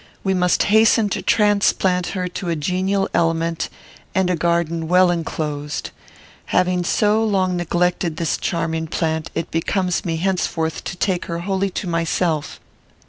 We must hasten to transplant her to a genial element and a garden well enclosed. Having so long neglected this charming plant, it becomes me henceforth to take her wholly to myself.